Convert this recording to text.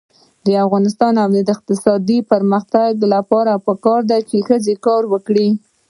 د افغانستان د اقتصادي پرمختګ لپاره پکار ده چې ښځې کار وکړي.